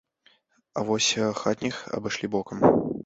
А вось хатніх абышлі бокам.